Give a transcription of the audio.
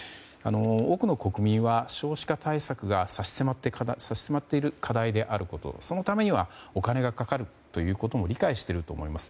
多くの国民は少子化対策が差し迫っている課題であること、そのためにはお金がかかるということも理解していると思います。